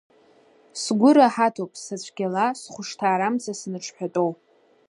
Сгәы раҳаҭуп, са цәгьала, сыхәшҭаарамца санҽҳәатәоу.